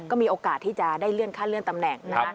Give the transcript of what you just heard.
ก็มีโอกาสที่จะได้เลื่อนขั้นเลื่อนตำแหน่ง